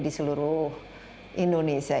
di seluruh indonesia